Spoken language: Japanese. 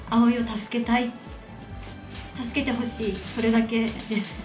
助けてほしい、それだけです。